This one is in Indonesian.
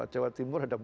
jawa timur ada empat